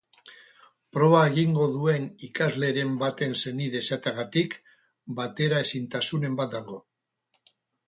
Proba egingo duen ikasleren baten senide izateagatik bateraezintasunen bat dago.